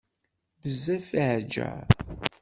Bezzaf i iɛǧǧer.